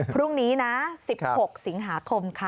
พรุ่งนี้๑๖สิงหาคม